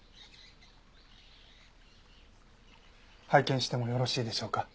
拝見してもよろしいでしょうか？